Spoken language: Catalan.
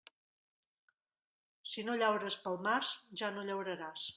Si no llaures pel març, ja no llauraràs.